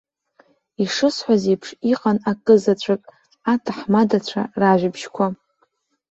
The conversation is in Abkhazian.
Ишысҳәаз еиԥш, иҟан акызаҵәык, аҭаҳмадацәа ражәабжьқәа.